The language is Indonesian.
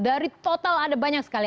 dari total ada banyak sekali